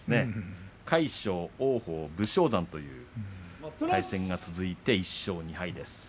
魁勝、王鵬、武将山という対戦が続いて１勝２敗です。